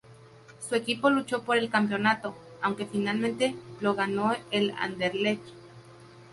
Su equipo luchó por el campeonato, aunque finalmente lo ganó el Anderlecht.